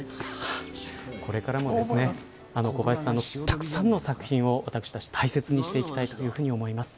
これからも小林さんのたくさんの作品を私たち大切にしていきたいと思います。